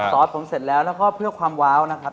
สอดผมเสร็จแล้วแล้วก็เพื่อความว้าวนะครับ